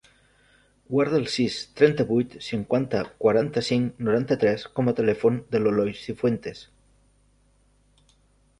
Guarda el sis, trenta-vuit, cinquanta, quaranta-cinc, noranta-tres com a telèfon de l'Eloy Cifuentes.